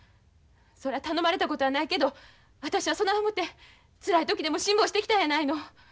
そら頼まれたことはないけど私はそない思てつらい時でも辛抱してきたんやないの。